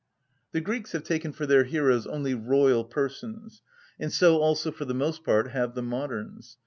The Greeks have taken for their heroes only royal persons; and so also for the most part have the moderns.